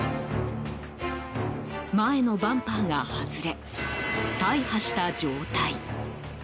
前のバンパーが外れ大破した状態。